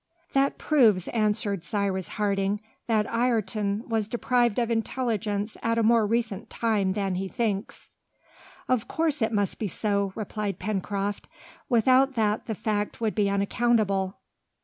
"That proves," answered Cyrus Harding, "that Ayrton was deprived of intelligence at a more recent time than he thinks." "Of course it must be so," replied Pencroft, "without that the fact would be unaccountable."